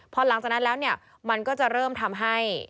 เพราะหลังจากนั้นแล้วมันก็จะเริ่มทำให้